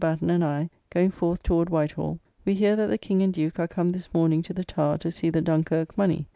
Batten, and I, going forth toward White Hall, we hear that the King and Duke are come this morning to the Tower to see the Dunkirk money!